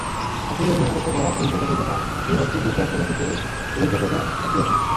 আইপিএলে অধিনায়কত্ব করার অভিজ্ঞতা থেকে তাঁর অভিমত, টি-টোয়েন্টি আন্তর্জাতিকেও অভিজ্ঞতাটা একই রকম।